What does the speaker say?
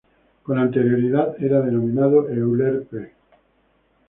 Con anterioridad era denominado "Euler P".